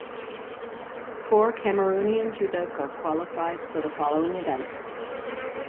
Four Cameroonian judoka qualified for the following events.